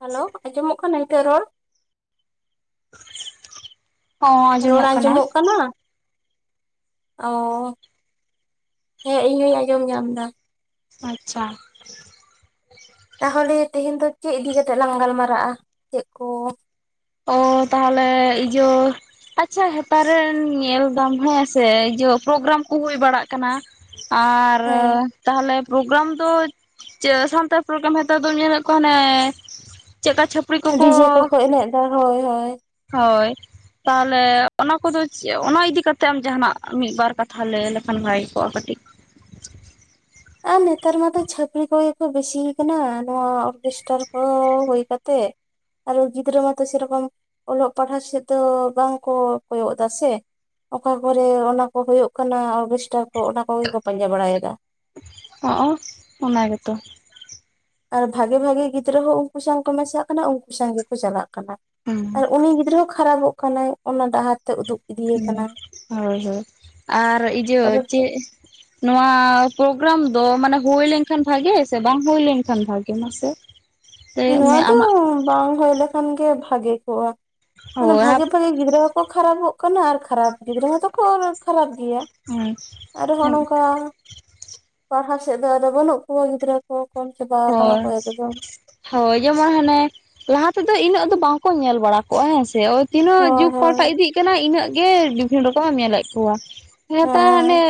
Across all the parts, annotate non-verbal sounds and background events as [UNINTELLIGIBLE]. Hello ᱟᱸᱡᱚᱢᱚᱜ ᱠᱟᱱᱟ ᱱᱤᱛᱚᱜ ᱨᱚᱲ? ᱨᱚᱲ ᱟᱸᱡᱚᱢᱚᱜ ᱠᱟᱱᱟ ᱚᱻ ᱦᱮᱸ ᱤᱧ ᱦᱚᱸᱧ ᱟᱸᱡᱚᱢ ᱧᱟᱢ ᱫᱟ᱾ ᱟᱪᱪᱷᱟ ᱛᱟᱦᱚᱞᱮ ᱛᱮᱦᱮᱧ ᱫᱚ ᱪᱮᱫ ᱤᱫᱤ ᱠᱟᱛᱮᱜ ᱞᱟᱝ ᱜᱟᱞᱢᱟᱨᱟᱜᱼᱟ ᱪᱮᱫ ᱠᱚᱼᱼ ᱚ ᱛᱟᱦᱚᱞᱮ ᱤᱡᱟᱹ ᱟᱪᱪᱷᱟ ᱦᱮᱛᱟᱨ ᱨᱮᱱ ᱧᱮᱞ ᱫᱟᱢ ᱦᱮᱸᱥᱮ ᱤᱭᱟᱹ ᱯᱨᱳᱜᱨᱟᱢ ᱠᱚ ᱦᱩᱭ ᱵᱟᱲᱟᱜ ᱠᱟᱱᱟ ᱟᱨ ᱦᱮᱸ ᱛᱟᱦᱞᱮ ᱯᱨᱳᱜᱨᱟᱢ ᱫᱚ ᱥᱟᱱᱛᱟᱲ ᱯᱨᱳᱜᱨᱟᱢ ᱦᱮᱛᱟᱨ ᱫᱚᱢ ᱧᱮᱞᱮᱫ ᱠᱚᱣᱟ ᱦᱚᱱᱮ ᱪᱮᱫ ᱞᱮᱠᱟ ᱪᱷᱟᱯᱼᱼ ᱰᱤᱡᱮ ᱠᱚᱠᱚ ᱮᱱᱮᱡ ᱫᱟ ᱦᱳᱭ ᱦᱳᱭ᱾ ᱦᱳᱭ ᱛᱟᱦᱞᱮ ᱚᱱᱟ ᱠᱚᱫᱚ ᱚᱱᱟ ᱤᱫᱤ ᱠᱟᱛᱮ ᱟᱢ ᱡᱟᱦᱟᱱᱟᱜ ᱢᱤᱫ ᱵᱟᱨ ᱠᱟᱛᱷᱟ ᱞᱟᱹᱭ ᱞᱮᱠᱷᱟᱱ ᱵᱷᱟᱜᱮᱠᱚᱜᱼᱟ ᱠᱟᱹᱴᱤᱡ ᱟᱨ ᱱᱮᱛᱟᱨ ᱢᱟᱛᱚ ᱪᱷᱟᱹᱯᱨᱤ ᱠᱚᱜᱮ ᱠᱚ ᱵᱤᱥᱤ ᱠᱟᱱᱟ ᱱᱚᱣᱟ ᱚᱨᱜᱮᱥᱴᱟᱨ ᱠᱚ ᱦᱩᱭ ᱠᱟᱛᱮᱜ ᱟᱨᱚ ᱜᱤᱫᱽᱨᱟᱹ ᱢᱟᱛᱚ ᱥᱮᱨᱚᱠᱚᱢ ᱚᱞᱚᱜ ᱯᱟᱲᱦᱟᱜ ᱥᱮᱫ ᱫᱚ ᱵᱟᱝ ᱠᱚ ᱠᱚᱭᱚᱜ ᱫᱟ ᱥᱮ ᱚᱠᱟ ᱠᱚᱨᱮ ᱚᱱᱟᱠᱚ ᱦᱳᱭᱳᱜ ᱠᱟᱱᱟ ᱚᱨᱜᱮᱥᱴᱟᱨ ᱠᱚ ᱚᱱᱟ ᱠᱚᱜᱮ ᱠᱚ ᱯᱟᱸᱡᱟ ᱵᱟᱲᱟᱭᱮᱫᱟ᱾ ᱦᱚᱸᱜ-ᱚ ᱚᱱᱟ ᱜᱮᱛᱚ᱾ ᱟᱨ ᱵᱷᱟᱜᱮ ᱵᱷᱟᱜᱤ ᱜᱤᱫᱽᱨᱟᱹ ᱦᱚᱸ ᱩᱱᱠᱩ ᱥᱟᱶ ᱠᱚ ᱢᱮᱥᱟᱜ ᱠᱟᱱᱟ ᱩᱱᱠᱩ ᱥᱟᱶ ᱜᱮᱠᱚ ᱪᱟᱞᱟᱜ ᱠᱟᱱᱟ᱾ ᱦᱩᱸ ᱟᱨ ᱩᱱᱤ ᱜᱤᱫᱽᱨᱟᱹ ᱦᱚᱸ ᱠᱷᱟᱨᱟᱯᱚᱜ ᱠᱟᱱᱟᱭ ᱚᱱᱟ ᱰᱟᱦᱟᱨ ᱛᱮ ᱩᱫᱩᱜᱼᱼ ᱦᱳᱭ ᱦᱳᱭ ᱟᱨ ᱤᱡᱟᱹ ᱟᱨ ᱪᱮᱫᱼᱼ ᱱᱚᱣᱟ ᱯᱨᱳᱜᱨᱟᱢ ᱫᱚ ᱢᱟᱱᱮ ᱦᱳᱭ ᱞᱮᱱᱠᱷᱟᱱ ᱵᱷᱟᱜᱮ ᱥᱮ ᱵᱟᱝ ᱦᱳᱭ ᱞᱮᱱᱠᱷᱟᱱ ᱵᱷᱟᱜᱮ ᱢᱟᱥᱮ ᱥᱮ ᱱᱚᱣᱟ ᱫᱚ ᱟᱢᱟᱜ ᱵᱟᱝ ᱦᱳᱭ ᱞᱮᱠᱷᱟᱱ ᱜᱮ ᱵᱷᱟᱜᱮ ᱠᱚᱜᱼᱟ ᱢᱟᱱᱮ ᱦᱳᱭ ᱵᱷᱟᱜᱮ ᱵᱷᱟᱜᱮ ᱜᱤᱫᱽᱨᱟᱹ ᱠᱚ ᱠᱷᱟᱨᱟᱯᱚᱜ ᱠᱟᱱᱟ ᱟᱨ ᱠᱷᱟᱨᱟᱯ ᱜᱤᱫᱽᱨᱟᱹ ᱦᱚᱸᱛᱚ ᱠᱚ ᱠᱷᱟᱨᱟᱯ ᱜᱤᱭᱟ ᱟᱨ ᱦᱚᱸ ᱱᱚᱝᱠᱟ ᱯᱟᱲᱦᱟᱣ ᱥᱮᱫ ᱫᱚ ᱟᱫᱚ ᱵᱟᱹᱱᱩᱜ ᱠᱩᱣᱟ ᱜᱤᱫᱽᱨᱟᱹ ᱠᱚ ᱠᱚᱢ ᱪᱟᱵᱟ ᱠᱟᱱᱟ ᱦᱳᱭ ᱠᱚ ᱮᱠᱚᱫᱢ ᱦᱳᱭ ᱡᱮᱢᱚᱱ ᱦᱟᱱᱮ ᱞᱟᱦᱟ ᱛᱮᱫᱚ ᱤᱱᱟᱹᱜ ᱫᱚ ᱵᱟᱝ ᱠᱚ ᱧᱮᱞ ᱵᱟᱲᱟ ᱠᱚᱼᱟ ᱦᱮᱸ ᱥᱮ ᱳ- ᱛᱤᱱᱟᱹᱜ ᱦᱳᱭ ᱡᱩᱜᱽ ᱦᱳᱭ ᱯᱟᱞᱴᱟ ᱤᱫᱤᱜ ᱠᱟᱱᱟ ᱤᱱᱟᱹᱜ ᱜᱮ ᱵᱤᱵᱷᱤᱱᱱᱚ ᱨᱚᱠᱚᱢ ᱮᱢ ᱧᱮᱞᱮᱫ ᱠᱚᱣᱟ ᱦᱮᱸ ᱛᱚ ᱦᱟᱱᱮ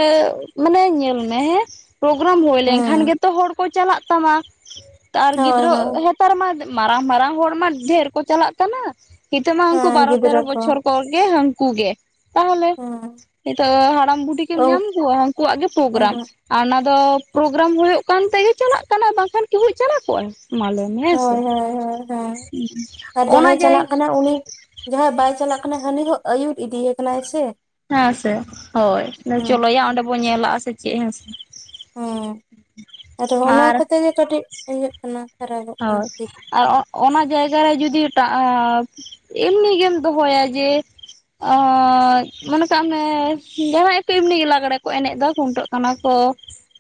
ᱢᱟᱱᱮ ᱧᱮᱞ ᱢᱮ ᱦᱮᱸ ᱯᱨᱳᱜᱨᱟᱢ ᱦᱳᱭ ᱞᱮᱱᱠᱷᱟᱱ ᱦᱮᱸ ᱜᱮᱛᱚ ᱦᱚᱲ ᱠᱚ ᱪᱟᱞᱟᱜ ᱛᱟᱢᱟ ᱛᱟᱨ ᱦᱳᱭ ᱜᱤᱫᱽᱨᱟᱹ ᱦᱳᱭ ᱱᱮᱛᱟᱨ ᱢᱟ ᱢᱟᱨᱟᱝ ᱢᱟᱨᱟᱝ ᱦᱚᱲ ᱢᱟ ᱰᱷᱮᱨ ᱠᱚ ᱪᱟᱞᱟᱜ ᱠᱟᱱᱟ ᱦᱤᱛ ᱢᱟ ᱩᱱᱠᱩ ᱦᱮᱸ ᱵᱟᱨᱚ ᱛᱮᱨᱚ ᱜᱤᱫᱽᱨᱟᱹ ᱠᱚ ᱵᱚᱪᱷᱚᱨ ᱠᱚᱜᱮ ᱦᱟᱹᱝᱠᱩ ᱜᱮ ᱛᱟᱦᱚᱞᱮ ᱦᱮᱸ ᱱᱤᱛᱚᱜ ᱦᱟᱲᱟᱢ ᱵᱩᱰᱷᱤ ᱠᱤᱢ ᱦᱳᱭ ᱧᱟᱢ ᱠᱚᱣᱟ ᱦᱟᱹᱱᱠᱩᱣᱟᱜ ᱜᱮ ᱯᱨᱳᱜᱨᱟᱢ ᱦᱳᱭ ᱟᱨ ᱚᱱᱟ ᱫᱚ ᱯᱨᱳᱜᱨᱟᱢ ᱦᱳᱭᱳᱜ ᱠᱟᱱ ᱛᱮᱜᱮ ᱪᱟᱞᱟᱜ ᱠᱟᱱᱟ ᱵᱟᱝᱠᱷᱟᱱ ᱠᱤ ᱦᱩᱭ ᱪᱟᱞᱟᱣ ᱠᱚᱜᱼᱟ ᱢᱟᱞᱮ ᱦᱮᱸ ᱥᱮ ᱦᱳᱭ ᱦᱮᱸ ᱟᱨ ᱚᱱᱟ ᱡᱟᱦᱟᱸᱭ ᱜᱮᱭ ᱪᱟᱞᱟᱜ ᱠᱟᱱᱟ ᱩᱱᱤ ᱡᱟᱦᱟᱸᱭ ᱵᱟᱭ ᱪᱟᱞᱟᱜ ᱠᱟᱱᱟ ᱦᱟᱹᱱᱤ ᱦᱚᱸ ᱟᱹᱭᱩᱨ ᱤᱫᱤᱭᱮ ᱠᱟᱱᱟᱭ ᱥᱮ ᱦᱮᱸ ᱥᱮ ᱦᱳᱭ ᱦᱮᱸ ᱪᱚᱞᱚᱭᱟ ᱚᱸᱰᱮ ᱵᱚᱱ ᱧᱮᱞᱟᱜᱼᱟ ᱥᱮ ᱪᱮᱫ ᱦᱮᱸᱥᱮ ᱦᱩᱸ ᱟᱨ ᱦᱚᱸᱜᱼᱚ ᱱᱚᱣᱟ ᱠᱚᱛᱮᱜᱮ ᱠᱟᱹᱴᱤᱡ ᱤᱭᱟᱹᱜ ᱠᱟᱱᱟ ᱠᱷᱟᱨᱟᱯᱚᱜ ᱠᱟᱱᱟ ᱦᱚᱭ ᱫᱤᱠ ᱟᱨ ᱚᱱᱟ ᱡᱟᱭᱜᱟᱨᱮ ᱡᱩᱫᱤ ᱮᱴᱟᱟᱜ ᱮᱢᱱᱤ ᱜᱮᱢ ᱫᱚᱦᱚᱭᱟ ᱡᱮ ᱟ ᱢᱚᱱᱮ ᱠᱟᱜ ᱢᱮ ᱡᱟᱦᱟᱸᱭ ᱮᱠᱴᱩ ᱮᱢᱱᱤ ᱜᱮ ᱞᱟᱜᱽᱬᱮ ᱠᱚ ᱮᱱᱮᱡᱫᱟ ᱠᱷᱩᱱᱴᱟᱹᱜ ᱠᱟᱱᱟ ᱠᱚ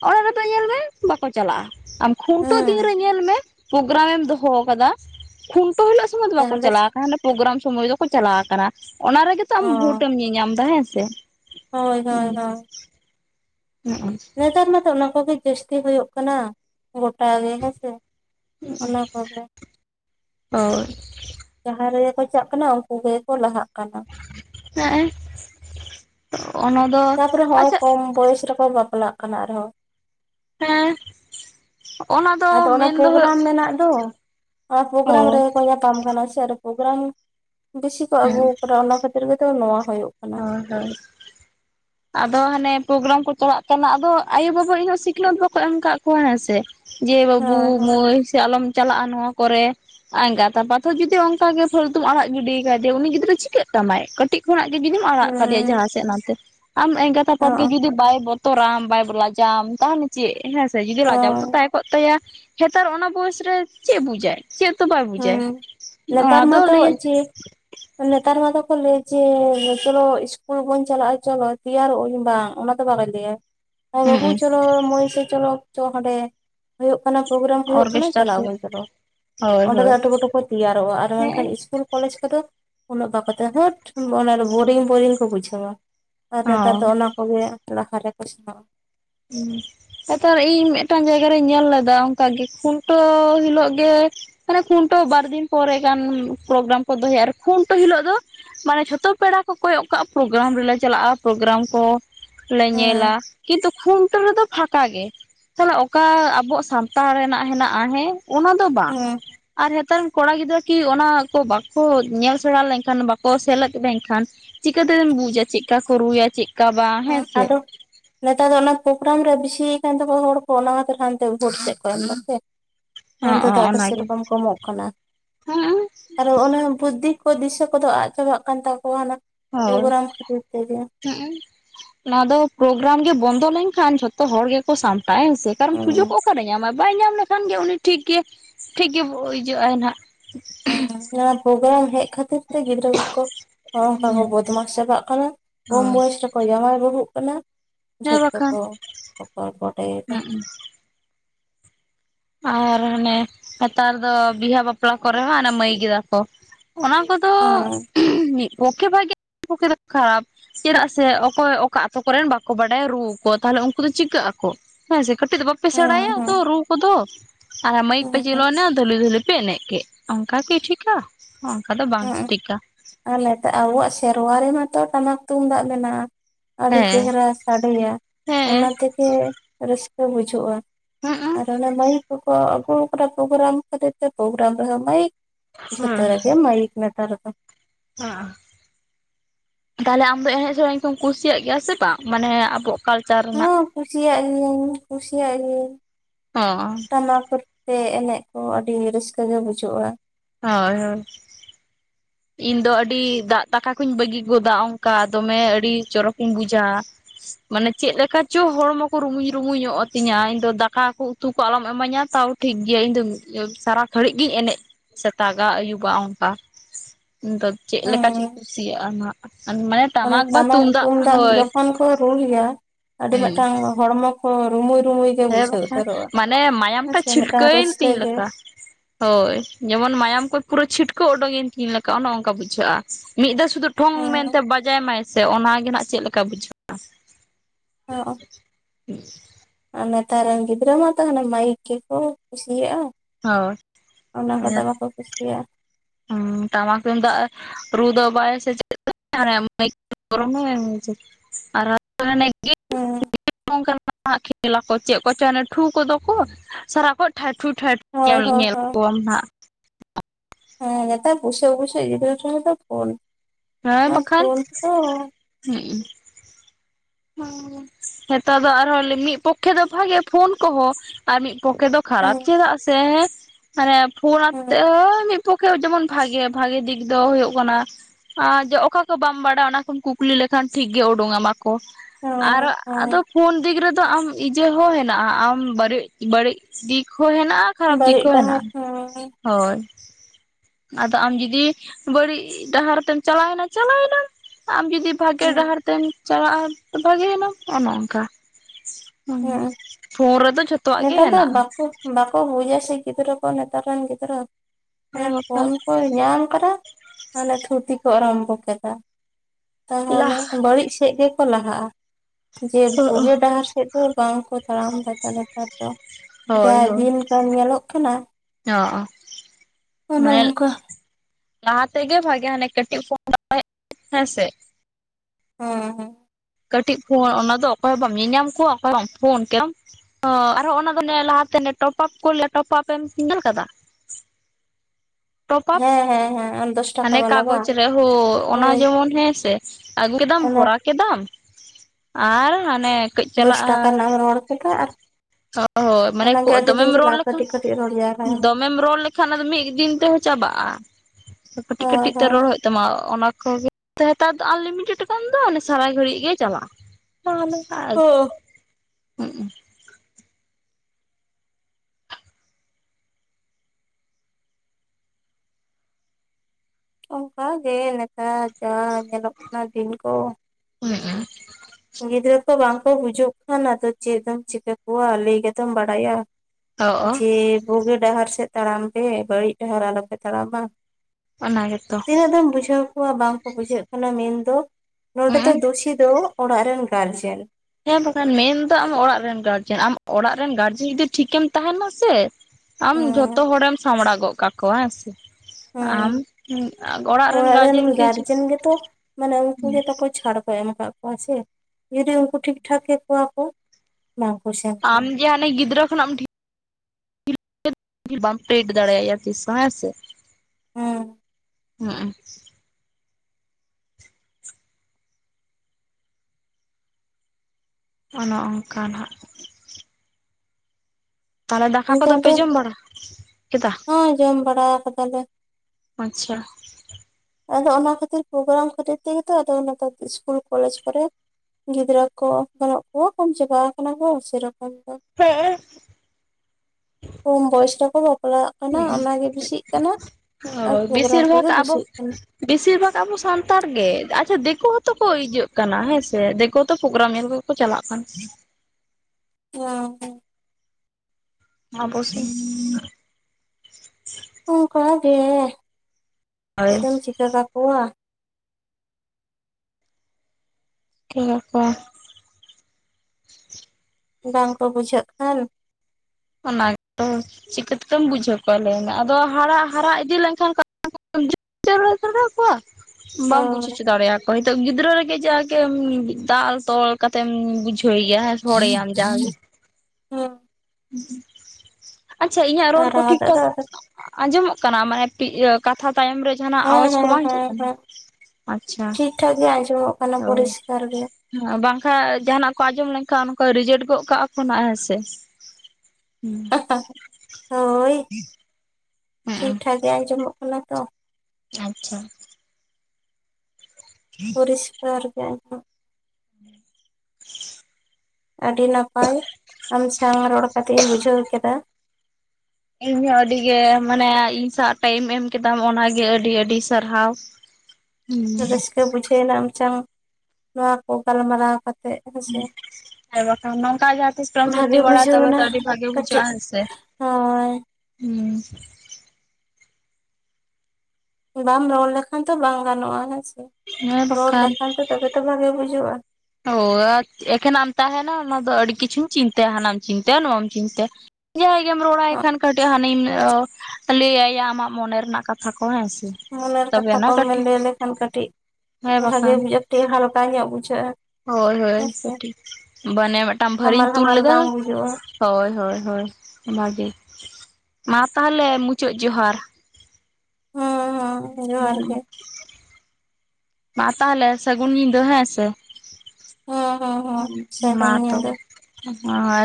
ᱚᱱᱟ ᱨᱮᱫᱚ ᱧᱮᱞ ᱢᱮ ᱵᱟᱠᱚ ᱪᱟᱞᱟᱜᱼᱟ ᱟᱢ ᱠᱷᱩᱱᱴᱟᱹᱣ ᱫᱤᱱ ᱨᱮ ᱦᱮᱸ ᱧᱮᱞ ᱢᱮ ᱯᱨᱳᱜᱨᱟᱢ ᱮᱢ ᱫᱚᱦᱚ ᱠᱟᱫᱟ ᱠᱷᱩᱱᱴᱟᱹᱣ ᱦᱤᱞᱳᱜ ᱥᱩᱢᱚᱭ ᱫᱚ ᱵᱟᱠᱚ ᱛᱟᱦᱚᱞᱮ ᱪᱟᱞᱟᱜᱼᱟ ᱯᱨᱳᱜᱨᱟᱢ ᱥᱩᱢᱚᱭ ᱫᱚᱠᱚ ᱪᱟᱞᱟᱣ ᱠᱟᱱᱟ ᱚᱱᱟ ᱨᱮᱜᱮ ᱛᱟᱢ ᱵᱷᱩᱴ ᱦᱚᱸ ᱮᱢ ᱧᱤᱧᱟᱢ ᱫᱟ ᱦᱮᱸ ᱥᱮ ᱦᱳᱭ ᱦᱳᱭ ᱦᱳᱭ ᱱᱮᱛᱟᱨ ᱢᱟᱛᱚ ᱚᱱᱟ ᱠᱚᱜᱮ ᱡᱟᱹᱥᱛᱤ ᱦᱳᱭᱳᱜ ᱠᱟᱱᱟ ᱜᱚᱴᱟ ᱜᱮ ᱦᱮᱸᱥᱮ ᱚᱱᱟ ᱠᱚᱜᱮ ᱦᱳᱭ ᱡᱟᱦᱟᱸ ᱨᱮᱜᱮ ᱠᱚ ᱪᱟᱜ ᱠᱟᱱᱟ ᱳᱱᱠᱩ ᱜᱮᱠᱚ ᱞᱟᱦᱟᱜ ᱠᱟᱱᱟ ᱦᱮᱸ ᱚᱱᱟ ᱫᱚ ᱛᱟᱯᱚᱨᱮ ᱦᱚᱜᱼᱚᱭ ᱟᱪᱪᱷᱟ ᱠᱚᱢ ᱵᱚᱭᱮᱥ ᱨᱮᱠᱚ ᱵᱟᱯᱞᱟᱜ ᱠᱟᱱᱟ ᱟᱨᱦᱚᱸ ᱦᱮᱸ ᱚᱱᱟ ᱫᱚ ᱟᱫᱚ ᱚᱱᱟ ᱢᱮᱱ ᱫᱚ ᱯᱨᱳᱜᱨᱟᱢ ᱢᱮᱱᱟᱜ ᱫᱚ᱾ ᱚᱱᱟ ᱯᱨᱳᱜᱨᱟᱢ ᱦᱳᱭ ᱨᱮ ᱠᱚ ᱧᱟᱯᱟᱢ ᱠᱟᱱᱟ ᱥᱮ ᱟᱨ ᱯᱨᱳᱜᱨᱟᱢ ᱵᱤᱥᱤ ᱠᱚ ᱦᱮᱸ ᱟᱹᱜᱩ ᱠᱟᱫᱟ ᱚᱱᱟ ᱠᱷᱟ ᱛᱤᱨ ᱜᱮᱛᱚ ᱱᱚᱣᱟ ᱦᱳᱭᱳᱜ ᱦᱳᱭ ᱦᱮᱸ ᱟᱫᱚ ᱦᱟᱱᱮ ᱯᱨᱳᱜᱨᱟᱢ ᱠᱚ ᱪᱟᱞᱟᱜ ᱠᱟᱱᱟ ᱟᱫᱚ ᱟᱭᱳ ᱵᱟᱵᱟ ᱤᱱᱟᱹᱜ ᱥᱤᱠᱷᱱᱟᱹᱛ ᱵᱟᱠᱚ ᱮᱢ ᱠᱟᱜ ᱠᱚᱣᱟ ᱦᱮᱸᱥᱮ ᱡᱮ ᱵᱟᱹᱵᱩ ᱦᱳᱭ ᱦᱳᱭ ᱢᱟᱹᱭ ᱥᱮ ᱟᱞᱚᱢ ᱪᱟᱞᱟᱜᱼᱟ ᱱᱚᱣᱟ ᱠᱚᱨᱮ ᱮᱸᱜᱟᱛ ᱟᱯᱟᱛ ᱦᱚᱸ ᱡᱩᱫᱤ ᱚᱝᱠᱟ ᱜᱮ ᱯᱷᱟᱹᱞᱛᱩᱢ ᱟᱲᱟᱜ ᱜᱤᱰᱤ ᱠᱟᱭᱫᱮᱭᱟ ᱩᱱᱤ ᱜᱤᱫᱽᱨᱟᱹ ᱪᱤᱠᱟᱹᱜ ᱛᱟᱢᱟᱭ ᱠᱟᱹᱴᱤᱡ ᱠᱷᱚᱱᱟᱜ ᱜᱮ ᱡᱩᱫᱤᱢ ᱟᱲᱟᱜ ᱠᱟᱫᱮᱭᱟ ᱦᱮᱸ ᱡᱟᱦᱟᱸ ᱥᱮᱫ ᱱᱚᱛᱮ ᱟᱢ ᱮᱸᱜᱟᱛ ᱟᱯᱟᱛ ᱦᱚᱸ ᱜᱮ ᱡᱩᱫᱤ ᱵᱟᱭ ᱵᱚ ᱛᱚᱨᱟᱢ ᱵᱟᱭ ᱞᱟᱡᱟ ᱟᱢ ᱛᱟᱦᱞᱮ ᱪᱮᱫ ᱦᱮᱸᱥᱮ ᱡᱩᱫᱤ ᱞᱟᱡᱟ ᱦᱳᱭ ᱵᱟᱛᱚᱨ ᱛᱟᱸᱦᱮ ᱠᱚᱜ ᱛᱟᱭᱟ ᱦᱮᱸᱛᱟᱨ ᱚᱱᱟ ᱵᱚᱭᱮᱥ ᱨᱮ ᱪᱮᱜᱼᱮ ᱵᱩᱡᱟᱭ ᱪᱮᱫ ᱛᱚ ᱵᱟᱭ ᱵᱩᱡᱟᱭ, ᱦᱮᱸ ᱱᱮᱛᱟᱨ ᱟᱫᱚ ᱢᱟᱛᱚ ᱞᱟᱹᱭᱟᱭ ᱡᱮ ᱱᱮᱛᱟᱨ ᱢᱟ ᱫᱚᱠᱚ ᱞᱮᱭ ᱡᱮ ᱪᱚᱞᱚ ᱤᱥᱠᱩᱞ ᱵᱚᱱ ᱪᱟᱞᱟᱜᱼᱟ ᱪᱚᱞᱚ ᱛᱮᱭᱟᱨᱚᱜ ᱟᱹᱧ ᱵᱟᱝ ᱚᱱᱟ ᱫᱚ ᱵᱟᱭ ᱞᱟᱹᱭᱟᱭ ᱟᱨ ᱵᱟᱹᱵᱩ ᱦᱩᱸ ᱪᱚᱞᱚ ᱢᱟᱹᱭ ᱥᱮ ᱪᱚᱞᱚ ᱪᱚ ᱦᱟᱸᱰᱮ ᱦᱳᱭᱳᱜ ᱠᱟᱱᱟ ᱯᱨᱳᱜᱨᱟᱢ ᱦᱳᱭᱳᱜ ᱠᱟᱱᱟ ᱚᱨᱜᱮᱥᱴᱟᱨ ᱪᱟᱞᱟᱜ ᱠᱚ ᱴ-ᱟ ᱵᱚᱱ ᱪᱚᱞᱚ᱾ ᱚᱸᱰᱮ ᱫᱚ ᱟᱹᱴᱩ ᱯᱟᱹᱴᱩ ᱠᱚ ᱛᱤᱭᱟᱨᱚᱜᱼᱟ ᱟᱨ ᱢᱮᱱᱠᱷᱟᱱ ᱦᱮᱸ ᱤᱥᱠᱩᱞ ᱠᱚᱞᱮᱡᱽ ᱠᱚᱫᱚ ᱩᱱᱟᱹᱜ ᱵᱟᱠᱚ ᱛᱚ, ᱦᱟᱹᱴ ᱚᱱᱟ ᱫᱚ ᱵᱳᱨᱤᱝ ᱵᱳᱨᱤᱝ ᱠᱚ ᱵᱩᱡᱷᱟᱹᱣᱟ ᱟᱨ ᱱᱮᱛᱟᱨ ᱚ ᱫᱚ ᱚᱱᱟ ᱠᱚ ᱞᱟᱹᱭᱟ ᱞᱟᱦᱟᱨᱮ ᱯᱨᱚᱥᱱᱚ ᱦᱩᱸ ᱱᱮᱛᱟᱨ ᱤᱧ ᱢᱮᱫᱴᱟᱝ ᱡᱟᱭᱜᱟᱨᱤᱧ ᱧᱮᱞ ᱞᱮᱫᱟ ᱚᱝᱠᱟᱜᱮ ᱠᱷᱩᱱᱴᱟᱹᱣ ᱦᱤᱞᱳᱜ ᱜᱮ ᱢᱟᱱᱮ ᱠᱷᱩᱱᱴᱟᱹᱣ ᱵᱟᱨᱫᱤᱱ ᱯᱚᱨᱮᱜᱟᱱ ᱯᱨᱳᱜᱨᱟᱢ ᱠᱚ ᱫᱚᱦᱚᱭᱟ ᱟᱨ ᱠᱷᱩᱱᱴᱟᱹᱣ ᱦᱤᱞᱳᱜ ᱫᱚ ᱢᱟᱱᱮ ᱡᱷᱚᱛᱚ ᱯᱮᱲᱟ ᱠᱚ ᱠᱚᱭᱚᱜ ᱠᱟᱜ-ᱟ, ᱯᱨᱚᱜᱨᱟᱢ ᱨᱮᱞᱮ ᱪᱟᱞᱟᱜᱼᱟ ᱯᱨᱚᱜᱨᱟᱢ ᱠᱚ᱾ ᱞᱮ ᱦᱮᱸ ᱧᱮᱞᱟ ᱠᱤᱱᱛᱩ ᱠᱷᱩᱱᱴᱟᱹᱣ ᱨᱮᱫᱚ ᱯᱷᱟᱸᱠᱟ ᱜᱮ ᱛᱟᱦᱞᱮ ᱚᱠᱟ ᱟᱵᱚ ᱥᱟᱱᱛᱟᱲ ᱨᱮᱱᱟᱜ ᱦᱮᱱᱟᱜᱼᱟ ᱦᱮᱸ ᱚᱱᱟ ᱫᱚ ᱵᱟ ᱦᱮᱸ ᱟᱨ ᱦᱮᱛᱟᱨ ᱨᱮᱱ ᱠᱚᱲᱟ ᱜᱤᱫᱽᱨᱟᱹ᱾ ᱠᱤ ᱚᱱᱟ ᱠᱚ ᱵᱟᱠᱚ ᱧᱮᱞ ᱥᱮᱬᱟ ᱞᱮᱱᱠᱷᱟᱱ ᱵᱟᱠᱚ ᱥᱮᱞᱮᱫ ᱞᱮᱱᱠᱷᱟᱱ᱾ ᱪᱤᱠᱟᱹ ᱛᱮᱵᱮᱱ ᱵᱩᱡᱟ ᱪᱮᱫᱠᱟ ᱠᱚ ᱨᱩᱭᱟ ᱪᱮᱫ? ᱦᱮᱸ ᱟᱫᱚ ᱱᱮᱛᱟᱨ ᱫᱚ ᱚᱱᱟ ᱯᱨᱳᱜᱨᱟᱢ ᱨᱮ ᱵᱤᱥᱤᱭ ᱠᱟᱱ ᱛᱮ ᱠᱚ ᱦᱚᱲ ᱠᱚ ᱚᱱᱟ ᱠᱷᱟᱹᱛᱤᱨ ᱦᱟᱱᱛᱮ ᱵᱷᱚᱴ ᱥᱮᱫ ᱠᱚ ᱮᱢ ᱫᱟ ᱥᱮ᱾ [INAUDIBLE] ᱱᱚᱸᱛᱮ ᱫᱚ ᱟᱫᱚ ᱥᱮ ᱚᱱᱟᱜᱮ ᱨᱚᱠᱚᱢ ᱠᱚ ᱮᱢᱚᱜ ᱠᱟᱱᱟ᱾ ᱦᱮᱸ ᱟᱨᱚ ᱚᱱᱟ ᱵᱩᱫᱽᱫᱷᱤ ᱠᱚ ᱫᱤᱥᱟᱹ ᱠᱚᱫᱚ ᱟᱫ ᱪᱟᱵᱟᱜ ᱠᱟᱱ ᱛᱟᱠᱚᱣᱟ ᱚᱱᱟ ᱯᱨᱚᱜᱨᱟᱢ ᱠᱷᱟᱹᱛᱤᱨ ᱛᱮ ᱜᱮ᱾ ᱦᱩᱸᱜ ᱩᱸ ᱚᱱᱟ ᱫᱚ ᱯᱨᱳᱜᱨᱟᱢ ᱜᱮ ᱵᱚᱱᱫᱚ ᱞᱮᱱᱠᱷᱟᱱ ᱡᱷᱚ ᱛᱚ ᱦᱚᱲ ᱜᱮᱠᱚ ᱥᱟᱢᱴᱟᱜ-ᱟ ᱦᱮᱸ ᱥᱮ, ᱠᱟᱨᱚᱱ ᱯᱩᱡᱟᱹ ᱠᱚ ᱦᱩᱸ ᱚᱠᱟᱨᱮ ᱧᱟᱢᱟ ᱵᱟᱭ ᱧᱟᱢ ᱞᱮᱠᱷᱟᱱ ᱜᱮ ᱩᱱᱤ ᱴᱷᱤᱠ ᱜᱮ, ᱴᱷᱤᱠ ᱜᱮ ᱵᱩ ᱤᱭᱟᱹᱜ-ᱟᱭ ᱱᱟᱜ᱾ ᱱᱚᱣᱟ ᱯᱨᱳᱜᱨᱟᱢ ᱦᱮᱡ ᱠᱷᱟᱹᱛᱤᱨ ᱛᱮ ᱜᱤᱫᱽᱨᱟᱹ ᱠᱚ ᱠᱚ ᱱᱚᱜ-ᱚᱭ ᱱᱚᱝᱠᱟ ᱠᱚ ᱦᱩᱸ ᱵᱚᱫᱢᱟᱥ ᱪᱟᱵᱟᱜ ᱠᱟᱱᱟ, ᱠᱚᱢ ᱦᱳᱭ ᱵᱚᱭᱚᱥ ᱨᱮᱠᱚ ᱡᱟᱶᱟᱭ ᱵᱟᱹᱦᱩᱜ ᱠᱟᱱᱟ᱾ ᱦᱮᱸ ᱡᱷᱚᱛᱚ ᱵᱟᱠᱷᱟᱱ ᱠᱚ ᱵᱚᱠᱚᱞ ᱵᱚᱰᱮᱭᱮᱫᱟ᱾ ᱦᱩᱸ ᱟᱨ ᱦᱟᱱᱮ ᱱᱮᱛᱟᱨ ᱫᱚ ᱵᱤᱦᱟ ᱵᱟᱯᱞᱟ ᱠᱚᱨᱮ ᱦᱚᱸ ᱦᱟᱱᱮ ᱢᱟᱹᱭᱤᱠ ᱫᱟ ᱠᱚ᱾ ᱚᱱᱟ ᱠᱚᱫᱚ ᱦᱮᱸ ᱢᱤᱫ ᱯᱚᱠᱠᱷᱮ ᱵᱷᱟᱜᱮ ᱢᱤᱫ ᱯᱚᱠᱠᱷᱮ ᱫᱚ ᱠᱷᱟᱨᱟᱯ᱾ ᱪᱮᱫᱟᱜ ᱥᱮ ᱚᱠᱚᱭ ᱚᱠᱟ ᱟᱛᱳ ᱠᱚᱨᱮᱱ ᱵᱟᱠᱚ ᱵᱟᱰᱟᱭᱟ ᱨᱩ ᱠᱚ ᱛᱟᱦᱞᱮ ᱩᱱᱠᱩ ᱫᱚ ᱪᱤᱠᱟᱹᱜ-ᱟ ᱠᱚ᱾ ᱦᱮᱸ ᱥᱮ ᱠᱟᱹᱴᱤᱡ ᱫᱚ ᱵᱟᱯᱮ ᱦᱮᱸ ᱥᱮᱬᱟᱭᱟ ᱦᱮᱸ ᱟᱫᱚ ᱨᱩ ᱠᱚᱫᱚ ᱟᱨ ᱢᱟᱹᱭᱤᱠ ᱯᱮ ᱦᱮᱸ ᱪᱤᱞᱚᱱᱟ ᱫᱷᱟᱹᱞᱩᱭ ᱫᱷᱟᱹᱞᱩᱭ ᱯᱮ ᱮᱱᱮᱡ ᱠᱮᱫ ᱚᱱᱠᱟ ᱠᱤ ᱴᱷᱤᱠᱟ ᱚᱱᱠᱟ ᱫᱚ ᱵᱟᱝ ᱦᱮᱸ ᱴᱷᱤᱠᱟ᱾ ᱟᱨ ᱱᱚᱛᱮ ᱟᱵᱚᱣᱟᱜ ᱥᱮᱨᱣᱟ ᱨᱮᱢᱟ ᱛᱚ ᱴᱟᱢᱟᱠ ᱛᱩᱢᱫᱟᱜ ᱵᱮᱱᱟᱜ-ᱟ, ᱟᱹᱰᱤ ᱦᱮᱸ ᱪᱮᱦᱨᱟ᱾ ᱥᱟᱰᱮᱭᱟ ᱦᱮᱸ ᱚᱱᱟ ᱛᱮᱜᱮ ᱨᱟᱹᱥᱠᱟᱹ ᱵᱩᱡᱷᱩᱜᱼᱟ᱾ ᱦᱩᱸᱜ-ᱩᱸ ᱟᱨ ᱚᱱᱟ ᱢᱟᱹᱭᱤᱠ ᱠᱚ ᱠᱚ ᱟᱹᱜᱩᱣ ᱠᱟᱫᱟ ᱯᱨᱳᱜᱨᱟᱢ ᱠᱷᱟᱹᱛᱤᱨ ᱛᱮ ᱯᱨᱳᱜᱨᱟᱢ ᱨᱮᱦᱚᱸ ᱢᱟᱹᱭᱤᱠ᱾ ᱡᱷᱚᱛᱚ ᱨᱮ ᱜᱮ ᱢᱟᱹᱭᱤᱠ ᱱᱮᱛᱟᱨ ᱫᱚ᱾ ᱦᱩᱸᱜ-ᱩᱸ ᱛᱟᱦᱞᱮ ᱟᱢ ᱫᱚ ᱮᱱᱮᱡ ᱥᱮᱨᱮᱧ ᱠᱚᱢ ᱠᱩᱥᱤᱭᱟᱜ ᱜᱮᱭᱟ ᱥᱮ ᱵᱟᱝ ᱢᱟᱱᱮ ᱟᱵᱚᱣᱟᱜ ᱠᱟᱞᱪᱟᱨ ᱨᱮᱱᱟᱜ᱾ ᱦᱚᱸ ᱠᱩᱥᱤᱭᱟᱜ ᱜᱤᱭᱟᱹᱧ ᱠᱩᱥᱤᱭᱟᱜ ᱜᱤᱭᱟᱹᱧ᱾ ᱚ ᱴᱟᱢᱟᱠ ᱠᱚᱛᱮ ᱮᱱᱮᱡ ᱠᱚ ᱟᱹᱰᱤ ᱨᱟᱹᱥᱠᱟᱹ ᱜᱮ ᱵᱩᱡᱚᱜᱼᱟ᱾ ᱦᱳᱭ ᱦᱳᱭ ᱤᱧ ᱫᱚ ᱟᱹᱰᱤ ᱫᱟᱜ ᱫᱟᱠᱟ ᱠᱩᱧ ᱵᱟᱹᱜᱤ ᱜᱚᱫᱟ ᱚᱱᱠᱟ ᱫᱚᱢᱮ ᱟᱹᱰᱤ ᱪᱚᱨᱚᱜ ᱤᱧ ᱵᱩᱡᱟ᱾ ᱢᱟᱱᱮ ᱪᱮᱫ ᱞᱮᱠᱟ ᱪᱚ ᱦᱚᱲᱢᱚ ᱠᱚ ᱨᱩᱢᱩᱭ ᱨᱩᱢᱩ ᱚᱜ ᱛᱤᱧᱟᱹ ᱤᱧ ᱫᱚ ᱫᱟᱠᱟ ᱠᱚ ᱩᱛ ᱩᱛᱩ ᱠᱚ ᱟᱞᱚᱢ ᱤᱢᱟᱹᱧᱟᱹ ᱛᱟᱣ ᱴᱷᱤᱠ ᱜᱮᱭᱟ ᱤᱧ ᱫᱚ ᱤᱭᱟᱹ ᱥᱟᱨᱟ ᱜᱷᱟᱹᱲᱤᱡ ᱜᱮᱧ ᱮᱱᱮᱡᱽ ᱥᱮᱛᱟᱜᱟᱜ, ᱟᱹᱭᱩᱵᱟ ᱟᱜ ᱚᱝᱠᱟ᱾ ᱤᱧᱫᱚ ᱪᱮᱫ ᱞᱮᱠᱟ ᱦᱮᱸ ᱪᱚᱧ ᱠᱩᱥᱤᱭᱟᱜᱼᱟ, ᱦᱟᱸᱜ ᱢᱟᱱᱮ ᱚᱱᱟ ᱴᱟᱢᱟᱠ ᱛᱩᱢᱫᱟᱜ ᱡᱚᱠᱷᱚᱱ ᱠᱚ ᱨᱩᱭᱟ ᱟᱹᱰᱤ ᱢᱤᱫ ᱦᱩᱸ ᱴᱟᱝ ᱦᱚᱲᱢᱚ ᱦᱚᱸ ᱨᱩᱢᱩᱭ ᱨᱩᱢᱩᱭ ᱜᱮ ᱦᱮᱸ ᱵᱩᱡᱷᱟᱹᱣ ᱵᱟᱠᱷᱟᱱ ᱩᱛᱟᱹᱨᱚᱜᱼᱟ ᱢᱟᱱᱮ ᱢᱟᱭᱟᱢ ᱛᱮ ᱦᱮᱸᱥᱮ ᱢᱤᱫᱴᱟᱝ ᱪᱷᱤᱞᱠᱟᱹᱣᱮᱱ ᱨᱟᱹᱥᱠᱟᱹ ᱛᱤᱧ ᱜᱮ ᱞᱮᱠᱟ᱾ ᱦᱚᱭ ᱡᱮᱢᱚᱱ ᱢᱟᱭᱟᱢ ᱠᱚ ᱯᱩᱨᱟᱹ ᱪᱷᱤᱴᱠᱟᱹ ᱩᱰᱚᱜ ᱤᱧ ᱛᱤᱧ ᱞᱮᱠᱟ ᱚᱱᱮ ᱚᱱᱠᱟ ᱵᱩᱡᱷᱟᱹᱜᱼᱟ᱾ᱢᱤᱫ ᱫᱷᱟᱣ ᱥᱩᱫᱩ ᱴᱷᱩᱝ ᱢᱮᱱ ᱛᱮ ᱦᱮᱸ ᱵᱟᱡᱟᱭ ᱢᱟᱭ ᱥᱮ ᱚᱱᱟ ᱜᱮ ᱦᱟᱸᱜ ᱪᱮᱫ ᱞᱮᱠᱟ ᱵᱩᱡᱷᱟᱹᱜᱼᱟ᱾ ᱦᱚᱜ-ᱚ᱾ [UNINTELLIGIBLE] ᱟᱨ ᱱᱮᱛᱟᱨ ᱨᱮᱱ ᱜᱤᱫᱽᱨᱟᱹ ᱢᱟᱛᱚ ᱢᱟᱹᱭᱤᱠ ᱜᱮᱠᱚ ᱠᱩᱥᱤᱭᱟᱜᱼᱟ᱾ ᱦᱳᱭ ᱚᱱᱟ ᱠᱚᱫᱟ ᱠᱚᱠᱚ ᱠᱩᱥᱤᱭᱟᱜᱼᱟ᱾ ᱦᱩᱸ ᱴᱟᱢᱟᱠ ᱛᱩᱢᱫᱟᱜ ᱮᱜ ᱨᱩ ᱫᱚ ᱵᱟᱭ ᱟᱥᱮ ᱪᱮᱫ᱾ [UNINTELLIGIBLE] ᱟᱨ ᱦᱟᱱᱮ ᱢᱟᱹᱭᱤᱠ ᱠᱚ ᱠᱚᱨᱚᱱ ᱢᱮ [UNINTELLIGIBLE] ᱟᱨ᱾ ᱦᱟᱱᱮ ᱦᱮᱸ [UNINTELLIGIBLE] ᱱᱚᱝᱠᱟ ᱞᱮᱠᱟ ᱱᱟ᱾ ᱱᱟ ᱠᱷᱮᱞ ᱟᱠᱚ ᱪᱮᱫ ᱠᱚ ᱪᱚ ᱦᱟᱱᱮ ᱴᱷᱩ ᱠᱚᱫᱚ ᱠᱚ ᱥᱟᱨᱟᱠᱷᱚᱡ ᱴᱷᱟᱭ ᱴᱷᱩᱭ ᱴᱷᱟᱭ ᱴᱷᱩᱭ ᱦᱳᱭ ᱦᱳᱭ ᱦᱳᱭ ᱦᱮᱸ ᱱᱮᱛᱟᱨ ᱵᱩᱥᱟᱹᱜ ᱵᱩᱥᱟᱹᱜ ᱜᱤᱫᱽᱨᱟᱹ ᱴᱷᱮᱱ ᱦᱚ ᱯᱷᱳᱱ ᱚᱱᱟ ᱯᱷᱳᱱ ᱛᱚ ᱦᱩᱜ ᱩᱸ ᱦᱮᱸᱛᱚ ᱟᱫᱚ ᱟᱨᱦᱚᱸ ᱢᱤᱫ ᱯᱚᱠᱠᱷᱮ ᱫᱚ ᱵᱷᱟᱜᱮ ᱯᱷᱳᱱ ᱠᱚᱦᱚᱸ ᱟᱨ ᱢᱤᱜ ᱯᱚᱠᱷᱮ ᱫᱚ ᱠᱷᱟᱨᱟᱯ ᱪᱮᱫᱟᱜ ᱥᱮ ᱢᱟᱱᱮ ᱯᱷᱳᱱ ᱦᱮᱸ ᱟᱛᱮ ᱦᱚᱸ ᱢᱤ ᱢᱤᱯᱚᱠᱠᱷᱮ ᱡᱮᱢᱚᱱ ᱵᱷᱟᱜᱮ ᱵᱷᱟᱜᱮ ᱫᱤᱠ ᱫᱚ ᱦᱩᱭᱩᱜ ᱠᱟᱱᱟ ᱟᱨ ᱡᱮ ᱚᱠᱟ ᱠᱚ ᱵᱟᱢ ᱵᱟᱲᱟᱭ ᱚᱱᱟ ᱠᱚᱢ ᱠᱩᱠᱞᱤ ᱞᱮᱠᱷᱟᱱ ᱴᱷᱤᱠ ᱜᱮ ᱩᱰᱩᱝ ᱟᱢᱟ ᱠᱚ ᱟᱨ ᱦᱮᱸ ᱟᱫᱚ ᱯᱷᱳᱱ ᱫᱤᱠ ᱨᱮᱫᱚ ᱟᱢ ᱤᱡᱟᱹ ᱦᱚᱸ ᱦᱮᱱᱟᱜᱼᱟ ᱟᱢ ᱵᱟᱲᱤ ᱵᱟᱲᱤᱜ ᱫᱤᱠ ᱦᱚᱸ ᱦᱮᱱᱟᱜᱼᱟ ᱦᱮᱸ ᱠᱷᱟᱨᱟᱯ ᱫᱤᱠ ᱵᱟᱹᱲᱤᱡ ᱠᱚ ᱰᱟᱦᱟᱨ ᱦᱮᱱᱟᱜᱼᱟ ᱦᱮᱸ ᱦᱳᱭ ᱟᱫᱚ ᱟᱢ ᱡᱩᱫᱤ ᱵᱟᱹᱲᱤᱡ ᱰᱟᱦᱟᱨ ᱛᱮᱢ ᱪᱟᱞᱟᱣᱮᱱᱟ ᱪᱟᱞᱟᱣᱮᱱᱟᱢ ᱟᱢ ᱡᱩᱫᱤ ᱫᱤ ᱵᱷᱟᱜᱮ ᱦᱮᱸ ᱰᱟᱦᱟᱨ ᱛᱮᱢ ᱪᱟᱞᱟᱜᱼᱟ ᱵᱷᱟᱜᱮ ᱮᱱᱟᱢ ᱚᱱᱮ ᱚᱝᱠᱟ ᱦᱮᱸ ᱯᱷᱳᱱ ᱨᱮᱫᱚ ᱡᱷᱚ ᱱᱮᱛᱟᱨ ᱫᱚ ᱵᱟᱠᱚ ᱵᱟᱠᱚ ᱵᱩᱡᱟ ᱥᱮ ᱜᱤᱫᱽᱨᱟᱹ ᱠᱚ ᱱᱮᱛᱟᱨ ᱨᱮᱱ ᱜᱤᱫᱽᱨᱟᱹ ᱢᱟᱱᱮ ᱦᱮᱸ ᱵᱟᱯᱟ ᱯᱷᱳᱱ ᱠᱚ ᱧᱟᱢ ᱠᱟᱫᱟ ᱢᱟᱱᱮ ᱛᱷᱩᱛᱤ ᱠᱚ ᱟᱨᱟᱢᱵᱚ ᱠᱮᱫᱟ ᱛᱟᱦᱚᱞᱮ ᱞᱟᱦ ᱵᱟᱹᱲᱤᱡ ᱥᱮᱫ ᱜᱮᱠᱚ ᱞᱟᱦᱟᱜᱼᱟ ᱡᱮ ᱵᱳᱜᱤ ᱰᱟᱦᱟᱨ ᱥᱮᱫ ᱫᱚ ᱵᱟᱝᱠᱚ ᱛᱟᱲᱟᱢ ᱫᱟ ᱱᱮᱛᱟ ᱛᱟ ᱫᱚ ᱡᱟ ᱫᱤᱱ ᱠᱟᱞ ᱧᱮᱞᱚᱜ ᱠᱟᱱᱟ ᱚ ᱚ ᱚᱱᱮ ᱢᱟᱱᱮᱞ ᱚᱱᱠᱟ ᱞᱟᱦᱟ ᱛᱮᱜᱮ ᱵᱷᱟᱜᱮ ᱦᱟᱱᱮ ᱠᱟᱹᱴᱤᱡ ᱯᱷᱳᱱ ᱦᱮᱸ ᱦᱮᱸᱥᱮ ᱦᱩᱸ ᱦᱩᱸ ᱠᱟᱹᱴᱤᱡ ᱯᱷᱳᱱ ᱚᱱᱟᱫᱚ ᱚᱠᱚᱭ ᱦᱚᱸ ᱵᱟᱢ ᱧᱮ ᱧᱟᱢ ᱠᱚᱣᱟ ᱚᱠᱚᱭ ᱦᱚᱸᱵᱟᱢ ᱯᱷᱳᱱ ᱠᱚᱣᱟᱢ ᱚ ᱟᱨᱦᱚᱸ ᱚᱱᱟ ᱫᱚ ᱱᱮ ᱞᱟᱦᱟᱛᱮ ᱴᱚᱯᱟᱯ ᱠᱚ ᱞᱟᱹᱭᱟ ᱴᱚᱯᱟᱯᱮᱢ ᱧᱮᱞ ᱠᱟᱫᱟ ᱴᱚᱯᱟᱯ ᱦᱮᱸ ᱦᱮᱸ ᱦᱮᱸ ᱦᱮᱸ ᱫᱚᱥ ᱴᱟᱠᱟ ᱦᱟᱱᱮ ᱵᱟᱞᱟ ᱠᱟᱜᱚᱡᱽ ᱵᱟᱝ ᱨᱮ ᱦᱳ ᱚᱱᱟ ᱦᱳᱭ ᱡᱮᱢᱚᱱ ᱦᱮᱸᱥᱮ ᱟᱹᱜᱩ ᱠᱮᱫᱟᱢ ᱚᱱᱟ ᱵᱷᱚᱨᱟ ᱠᱮᱫᱟᱢ ᱟᱨ ᱦᱟᱱᱮ ᱠᱟᱹᱡ ᱫᱚᱥ ᱪᱟᱞᱟᱜᱼᱟ ᱴᱟᱠᱟ ᱨᱮᱱᱟᱜ ᱮᱢ ᱨᱚᱲ ᱠᱮᱫᱟ ᱟᱨ ᱦᱚ ᱦᱳᱭ ᱢᱟᱱᱮ ᱚᱱᱟᱜᱮ ᱟᱹᱰᱤ ᱫᱚᱢᱮᱢ ᱫᱤᱱ ᱨᱚᱲ ᱪᱟᱞᱟᱜᱼᱟ ᱞᱮᱠᱷᱟᱱ ᱠᱟᱹᱴᱤᱡ ᱠᱟᱹᱴᱤᱡ ᱨᱚᱲ ᱡᱟᱣᱨᱟᱭᱟᱢ ᱫᱚᱢᱮᱢ ᱨᱚᱲ ᱞᱮᱠᱷᱟᱱ ᱟᱫᱚ ᱢᱤᱜ ᱫᱤᱱ ᱛᱮᱦᱚᱸ ᱪᱟᱵᱟᱜᱼᱟ ᱠᱟᱹᱴᱤᱡ ᱦᱳᱭ ᱠᱟᱹᱴᱤᱡ ᱛᱮ ᱨᱚᱲ ᱦᱚᱭᱚᱜ ᱛᱟᱢᱟ ᱚᱱᱟ ᱠᱚᱜᱮ ᱦᱮᱛᱟᱣᱨ ᱫᱚ ᱟᱱᱞᱤᱢᱤᱴᱮᱰ ᱠᱟᱱ ᱫᱚ ᱚᱱᱮ ᱥᱟᱨᱟ ᱜᱷᱟᱹᱲᱤᱡ ᱜᱮ ᱪᱟᱞᱟᱜᱼᱟ ᱛᱟᱦᱚᱞᱮ ᱠᱟ ᱦᱳᱭ ᱦᱩᱸᱜᱩᱸ ᱚᱱᱠᱟ ᱜᱮ ᱱᱮᱛᱟᱨ ᱡᱟ ᱧᱮᱞᱚᱜ ᱠᱟᱱᱟ ᱫᱤᱱ ᱠᱚ ᱦᱩᱸᱜ ᱩᱸ ᱜᱤᱫᱽᱨᱟᱹ ᱠᱚ ᱵᱟᱝᱠᱚ ᱵᱩᱡᱷᱟᱹᱜ ᱠᱷᱟᱱ ᱟᱫᱚ ᱪᱮᱫ ᱮᱢ ᱪᱤᱠᱟᱹ ᱠᱚᱣᱟ ᱞᱟᱹᱭ ᱜᱮᱛᱚᱢ ᱵᱟᱲᱟᱭᱟ ᱟᱨ ᱚ ᱡᱮ ᱵᱩᱜᱤ ᱰᱟᱦᱟᱨ ᱥᱮᱫ ᱛᱟᱲᱟᱢ ᱯᱮ ᱵᱟᱹᱲᱤᱡ ᱰᱟᱦᱟᱨ ᱟᱞᱚᱯᱮ ᱛᱟᱲᱟᱢᱟ ᱚᱱᱟ ᱜᱮᱛᱚ ᱛᱤᱱᱟᱹᱜ ᱫᱷᱟᱢ ᱵᱩᱡᱷᱟᱹᱣ ᱠᱚᱣᱟ ᱵᱟᱝᱠᱚ ᱵᱩᱡᱷᱟᱹᱜ ᱠᱟᱱᱟ ᱢᱮᱱᱫᱚ ᱱᱚᱸᱰᱮ ᱫᱚ ᱦᱩᱸ ᱫᱩᱥᱤ ᱫᱚ ᱚᱲᱟᱜ ᱨᱮᱱ ᱜᱟᱨᱡᱮᱱ ᱦᱮᱸ ᱵᱟᱠᱷᱟᱱ ᱢᱮᱱᱫᱚ ᱟᱢ ᱚᱲᱟᱜ ᱨᱮᱱ ᱜᱟᱨᱡᱮᱱ ᱟᱢ ᱚᱲᱟᱜ ᱨᱮᱱ ᱜᱟᱨᱡᱮᱱ ᱡᱩᱫᱤ ᱴᱷᱤᱠᱮᱢ ᱛᱟᱦᱮᱱ ᱢᱟ ᱥᱮ ᱟᱢ ᱡᱷᱚᱛᱚ ᱦᱮᱸ ᱦᱚᱲᱮᱢ ᱥᱟᱢᱵᱲᱟ ᱜᱚᱜ ᱠᱟᱠᱚᱣᱟ ᱦᱮᱸ ᱥᱮ ᱦᱮᱸ ᱟᱢ ᱚᱲᱟᱜ ᱨᱮᱱ ᱜᱟᱨᱡᱮᱱ ᱠᱤᱪᱷᱩ ᱜᱮᱛᱚ ᱢᱟᱱᱮ ᱩᱱᱠᱩ ᱜᱮ ᱛᱟᱠᱚ ᱪᱷᱟᱲ ᱠᱚ ᱮᱢ ᱟᱠᱟᱜ ᱠᱚᱣᱟ ᱥᱮ ᱡᱩᱫᱤ ᱩᱱᱠᱩ ᱴᱷᱤᱠ ᱴᱷᱟᱠ ᱠᱮᱠᱚᱣᱟ ᱠᱚ ᱵᱟᱝ ᱠᱚ ᱥᱮᱱ ᱠᱚᱜᱼᱟ ᱤᱭᱟᱹ ᱦᱟᱱᱮ ᱜᱤᱫᱽᱨᱟᱹ ᱠᱷᱚᱱᱟᱢ ᱴᱷᱤ- ᱵᱟᱢ ᱯᱮᱴ ᱫᱟᱲᱮᱣᱟᱭᱟ ᱛᱤᱥᱦᱚᱸ ᱦᱮᱸ ᱥᱮ ᱦᱩᱸ ᱦᱩᱜ ᱩᱸ ᱚᱱᱮ ᱚᱱᱠᱟ ᱱᱟᱦᱟᱜ ᱛᱟᱦᱞᱮ ᱫᱟᱠᱟ ᱠᱚᱫᱚ ᱱᱤᱛᱚᱜ ᱯᱮ ᱫᱚ ᱡᱚᱢ ᱵᱟᱲᱟ ᱠᱮᱫᱟ ᱦᱚᱸ ᱡᱚᱢ ᱵᱟᱲᱟ ᱟᱠᱟᱫᱟᱞᱮ ᱟᱪᱪᱷᱟ ᱟᱫᱚ ᱚᱱᱟ ᱠᱷᱟᱹᱛᱤᱨ ᱯᱨᱳᱜᱨᱟᱢ ᱠᱚᱨᱮᱜ ᱛᱮᱜᱮ ᱛᱚ ᱟᱫᱚ ᱱᱮᱛᱟᱨ ᱫᱚ ᱤᱥᱠᱩᱞ ᱠᱚᱞᱮᱡᱽ ᱠᱚᱨᱮ ᱜᱤᱫᱽᱨᱟᱹ ᱠᱚ ᱵᱟᱹᱱᱩᱜ ᱠᱚᱣᱟ ᱠᱚᱢ ᱪᱟᱵᱟ ᱟᱠᱟᱱᱟ ᱠᱚ ᱥᱮᱨᱚᱠᱚᱢ ᱫᱚ ᱦᱮᱸ ᱠᱚᱢ ᱵᱚᱭᱚᱥ ᱨᱮᱠᱚ ᱵᱟᱯᱞᱟᱜ ᱠᱟᱱᱟ ᱚᱱᱟ ᱜᱮ ᱵᱮᱥᱤᱜ ᱠᱟᱱᱟ ᱟᱨ ᱦᱳᱭ ᱯᱨᱳᱜᱨᱟᱢ ᱵᱮᱥᱤᱨ ᱵᱷᱟᱜᱽ ᱠᱚᱜᱮ ᱟᱵᱚ ᱵᱮᱥᱤᱜ ᱠᱟᱱᱟ ᱵᱮᱥᱤᱨ ᱵᱷᱟᱜᱽ ᱟᱵᱚ ᱥᱟᱱᱛᱟᱲ ᱜᱮ ᱟᱪᱷᱟ ᱫᱤᱠᱩ ᱦᱚᱛᱚ ᱠᱚ ᱦᱤᱡᱩᱜ ᱠᱟᱱᱟ ᱦᱮᱸᱥᱮ ᱫᱤᱠᱩ ᱛᱚ ᱯᱨᱳᱜᱨᱟᱢ ᱧᱮᱞ ᱠᱚ ᱪᱟᱞᱟᱜ ᱠᱟᱱ ᱦᱚᱸ ᱟᱵᱚᱥᱤ ᱚᱝᱠᱟ ᱜᱮ ᱦᱳᱭ ᱪᱮᱫ ᱫᱚᱢ ᱪᱮᱠᱟ ᱠᱟᱠᱚᱣᱟ ᱠᱮ ᱠᱚᱣᱟ ᱵᱟᱝᱠᱚ ᱵᱩᱡᱷᱟᱹᱜ ᱠᱟᱱ ᱚᱱᱟ ᱜᱮᱛᱚ ᱪᱤᱠᱟᱹ ᱛᱮᱫᱚᱢ ᱵᱩᱡᱷᱟᱹᱣ ᱠᱚᱣᱟ ᱞᱟᱹᱭ ᱢᱮ ᱟᱫᱚ ᱦᱟᱨᱟ ᱦᱟᱨᱟ ᱤᱫᱤ ᱞᱮᱱᱠᱷᱟᱱ ᱠᱚ ᱵᱩᱡᱷᱟᱹᱣ ᱦᱚᱪᱚ ᱫᱟᱲᱮᱣ ᱠᱚᱣᱟ ᱵᱟᱢ ᱵᱩᱡᱷᱟᱹᱣ ᱦᱳᱭ ᱦᱚᱪᱚ ᱫᱟᱲᱮᱭᱟ ᱦᱚᱭᱛᱳ ᱜᱤᱫᱽᱨᱟᱹ ᱨᱮᱜᱮ ᱡᱟᱜᱮᱢ ᱫᱟᱞ ᱛᱚᱞ ᱠᱟᱛᱮᱢ ᱵᱩᱡᱷᱟᱹᱣ ᱮᱭᱟ ᱦᱚᱲᱮᱭᱟᱢ ᱡᱟᱜᱮ ᱦᱮᱸ ᱟᱪᱷᱟ ᱤᱧᱟᱜ ᱨᱚᱲ ᱟᱨ ᱠᱚ ᱨᱟᱦᱟ ᱴᱷᱤᱠ ᱴᱟᱜ ᱴᱷᱟᱠ ᱫᱚ ᱟᱸᱡᱚᱢᱚᱜ ᱠᱟᱱᱟ ᱢᱟᱱᱮ ᱴᱤ ᱤᱭᱟᱹ ᱠᱟᱛᱷᱟ ᱛᱟᱭᱚᱢ ᱨᱮ ᱡᱟᱦᱟᱱᱟᱜ ᱟᱣᱟᱡᱽ ᱦᱮᱸ ᱠᱚ ᱦᱮᱸ ᱵᱟᱝ ᱦᱤᱡᱩᱜ ᱦᱮᱸ ᱠᱟᱱᱟ ᱦᱮᱸ ᱟᱪᱪᱷᱟ ᱴᱷᱤᱠ ᱴᱷᱟᱠ ᱜᱮ ᱟᱸᱡᱚᱢᱚᱜ ᱠᱟᱱᱟ ᱚ ᱯᱚᱨᱤᱥᱠᱟᱨ ᱜᱮ ᱦᱮᱸ ᱵᱟᱝᱠᱷᱟᱡ ᱡᱟᱦᱟᱱᱟᱜ ᱠᱚ ᱟᱸᱡᱚᱢ ᱞᱮᱱᱠᱷᱟᱱ ᱱᱚᱝᱠᱟ ᱨᱮᱡᱮᱴ ᱜᱚᱫ ᱠᱟᱜᱼᱟ ᱱᱟᱜ ᱦᱮᱸᱥᱮ ᱦᱩᱸ ᱟ ᱦᱳᱭ ᱴᱷᱤᱠ ᱦᱮᱸ ᱴᱷᱟᱠ ᱜᱮ ᱟᱸᱡᱚᱢᱜ ᱠᱟᱱᱟ ᱛᱚ ᱟᱪᱪᱷᱟ ᱯᱚᱨᱤᱥᱠᱟᱨ ᱜᱮ ᱟᱸᱡᱚᱢᱜ [UNINTELLIGIBLE] ᱟᱹᱰᱤ ᱱᱟᱯᱟᱭ ᱟᱢ ᱥᱟᱶ ᱨᱚᱲ ᱠᱟᱛᱮ ᱤᱧ ᱵᱩᱡᱷᱟᱹᱣ ᱠᱮᱫᱟ ᱤᱧᱦᱚᱸ ᱟᱹᱰᱤ ᱜᱮ ᱢᱟᱱᱮ ᱤᱧ ᱥᱟᱶ ᱴᱟᱭᱤᱢ ᱮᱢ ᱠᱮᱫᱟᱢ ᱚᱱᱟᱜᱮ ᱟᱹᱰᱤ ᱟᱹᱰᱤ ᱥᱟᱨᱦᱟᱣ [UNINTELLIGIBLE] ᱨᱟᱹᱥᱠᱟᱹ ᱵᱩᱡᱷᱟᱹᱣᱮᱱᱟ ᱪᱚᱝ ᱱᱚᱣᱟ ᱠᱚ ᱜᱟᱞᱢᱟᱨᱟᱣ ᱠᱟ- ᱦᱮᱸ ᱵᱟᱠᱷᱟᱱ ᱱᱚᱝᱠᱟ ᱡᱟᱦᱟᱸ ᱛᱤᱥ ᱨᱮᱢ ᱛᱷᱩᱛᱤ ᱵᱷᱟᱜᱮ ᱵᱟᱲᱟᱟᱭ ᱛᱚᱵᱮ ᱵᱩᱡᱷᱟᱹᱣᱱᱟ ᱛᱚ ᱟᱹᱰᱤ ᱵᱷᱟᱜᱤ ᱵᱩᱡᱷᱟᱹᱜ ᱠᱟᱹᱴᱤᱡ ᱟ ᱦᱮᱸᱥᱮ ᱦᱳᱭ ᱦᱩᱸ ᱵᱟᱢ ᱨᱚᱲ ᱞᱮᱠᱷᱟᱱ ᱛᱚ ᱵᱟᱝ ᱜᱟᱱᱚᱜᱼᱟ ᱦᱮᱸᱥᱮ ᱦᱮᱸ ᱨᱚᱲ ᱵᱟᱠᱷᱟᱱ ᱞᱮᱠᱷᱟᱱ ᱛᱚ ᱛᱚᱵᱮ ᱛᱚ ᱵᱷᱟᱜᱮ ᱵᱩᱡᱷᱟᱹᱜᱼᱟ᱾ ᱦᱚ ᱮᱠᱷᱮᱱᱟᱜ ᱮᱢ ᱛᱟᱦᱮᱱᱟ ᱚᱱᱟ ᱫᱚ ᱟᱹᱰᱤ ᱠᱤᱪᱷᱩᱢ ᱪᱤᱱᱛᱟᱹᱭᱟ ᱦᱟᱱᱟᱢ ᱪᱤᱱᱛᱟᱹᱭᱟ ᱱᱚᱣᱟᱢ ᱪᱤᱱᱛᱟᱹᱭᱟ ᱡᱟᱭ ᱜᱮᱢ ᱨᱚᱲᱟᱭ ᱠᱷᱟᱱ ᱠᱟᱹᱴᱤᱡ ᱦᱟᱹᱱᱤᱢ ᱟᱹ ᱞᱟᱹᱭᱟᱭᱟ ᱟᱢᱟᱜ ᱢᱚᱱᱮ ᱨᱮᱱᱟᱜ ᱠᱟᱛᱷᱟ ᱠᱚ ᱦᱮᱸ ᱥᱮ ᱢᱚᱱᱮᱨ ᱠᱟᱛᱷᱟ ᱛᱚᱵᱮᱱᱟ ᱠᱚᱢ ᱢᱮᱱ ᱠᱟᱹᱴᱤᱡ ᱞᱟᱹᱭ ᱞᱮᱠᱷᱟᱱ ᱠᱟᱹᱴᱤᱡ ᱦᱮᱸ ᱵᱷᱟᱜᱮ ᱵᱟᱠᱷᱟᱱ ᱵᱩᱡᱷᱟᱹᱜ ᱠᱟᱹᱴᱤᱡ ᱦᱟᱞᱠᱟ ᱧᱚᱜ ᱵᱩᱡᱷᱟᱹᱜᱼᱟ᱾ ᱦᱳᱭ ᱦᱳᱭ ᱦᱮᱸᱥᱮ ᱥᱚᱴᱷᱤᱠ ᱢᱟᱱᱮ ᱢᱤᱫᱴᱟᱝ ᱵᱷᱟᱹᱨᱤᱢ ᱦᱟᱢᱟᱞ ᱛᱩᱞ ᱦᱟᱢᱟᱞ ᱞᱮᱫᱟ ᱵᱟᱝ ᱵᱩᱡᱩᱜᱼᱟ ᱦᱳᱭ ᱦᱳᱭ ᱦᱳᱭ ᱚᱱᱟᱜᱮ ᱢᱟ ᱛᱟᱦᱚᱞᱮ ᱢᱩᱪᱟᱹᱫ ᱡᱚᱦᱟᱨ ᱦᱮᱸ ᱡᱚᱦᱟᱨ ᱜᱮ ᱢᱟ ᱛᱟᱦᱚᱞᱮ ᱥᱟᱹᱜᱩᱱ ᱧᱤᱫᱟᱹ ᱦᱮᱸ ᱥᱮ ᱦᱩᱸ ᱦᱩᱸ ᱦᱩᱸ ᱢᱟ ᱥᱟᱹᱜᱩᱱ ᱧᱤᱫᱟᱹ ᱛᱚᱵᱮ ᱡᱚᱦᱟᱨ